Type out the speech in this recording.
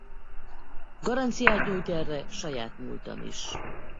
Garanciát nyújt erre saját múltam is.